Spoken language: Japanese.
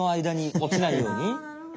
おちないように？